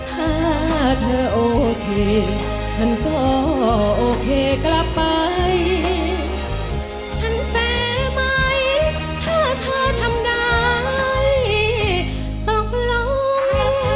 ถ้าเธอโอเคฉันก็โอเคกลับไปฉันแฟร์ไหมถ้าเธอทำได้ตกลง